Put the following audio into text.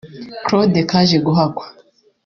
Claude Kajeguhakwa